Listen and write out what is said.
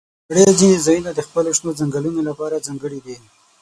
د نړۍ ځینې ځایونه د خپلو شنو ځنګلونو لپاره ځانګړي دي.